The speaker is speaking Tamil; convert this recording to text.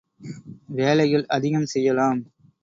வேலைகள் அதிகம் செய்யலாம்.